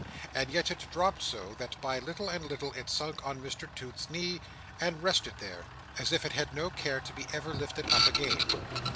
And yet it dropped so, that by little and little it sunk on Mr Toots's knee, and rested there, as if it had no care to be ever lifted up again.